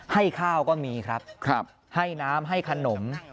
ให้ข้าวก็มีครับให้น้ำให้ขนม